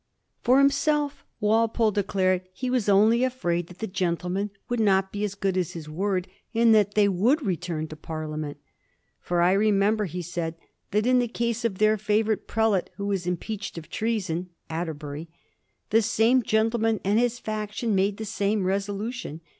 For himself, Walpole declared he was only afraid that the gentlemen would not be as good as their word, and that they would return to Parliament. " For I remem ber," he said, " that in the case of their favorite prelate who was impeached of treason "— Atterbury— " the same gentleman and his faction made the same resolution.